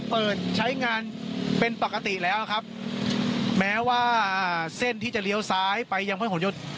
เปิดใช้งานเป็นปกติแล้วครับแม้ว่าเส้นที่จะเลี้ยวซ้ายไปยังพระหลยศ